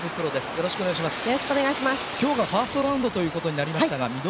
よろしくお願いします。